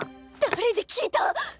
誰に聞いた！